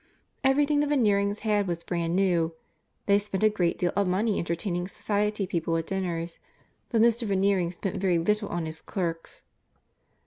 Everything the Veneerings had was brand new. They spent a great deal of money entertaining society people at dinners, but Mr. Veneering spent very little on his clerks.